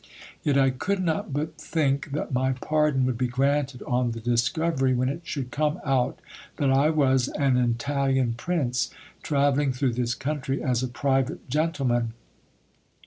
Yet I could not but think that my pardon would be granted on the discovery, when it should come out that I was an Italian prince travelling through this country as a private gentle man.